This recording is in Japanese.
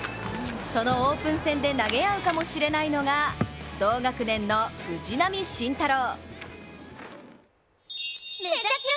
そのオープン戦で投げ合うかもしれないのが、同学年の藤浪晋太郎。